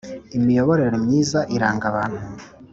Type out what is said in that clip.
Imiyoborere myiza iranga abantu.